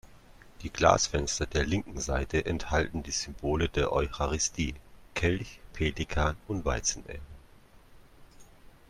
Die Glasfenster der linken Seite enthalten die Symbole der Eucharistie: Kelch, Pelikan und Weizenähren.